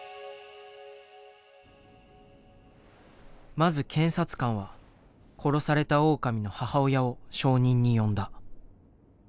まず検察官は殺されたオオカミの母親を証人に呼んだ。